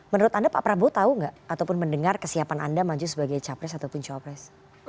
menurut anda pak prabowo tahu nggak ataupun mendengar kesiapan anda maju sebagai capres ataupun copres